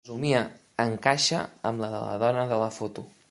La fesomia encaixa amb la de la dona de la foto.